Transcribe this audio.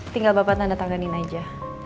tinggal bapak tanda tanganin aja